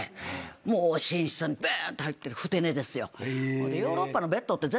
もう寝室にびゅーんと入ってふて寝ですよ。